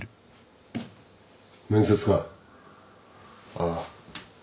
ああ。